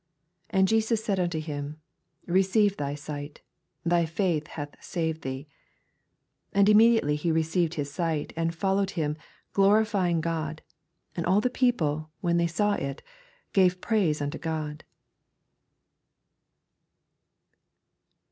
42 And Jesus said unto him. Re ceive thy sight : thy faith hath saved thee. 48 And immediatelv he receiTcd his sight, and followecl him, glorify ing? God : and all the people, when they saw U, gave praise unto God.